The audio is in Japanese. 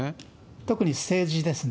特に政治ですね。